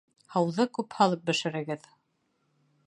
Һыуҙы күп һалып бешерегеҙ